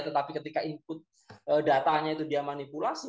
tetapi ketika input datanya itu dia manipulasi